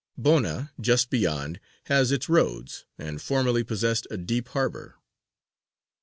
Bona, just beyond, has its roads, and formerly possessed a deep harbour.